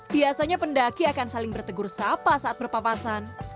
biasanya pendaki akan saling bertegur sapa saat berpapasan